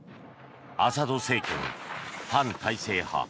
アサド政権、反体制派